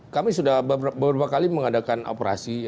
kami sudah beberapa kali mengadakan operasi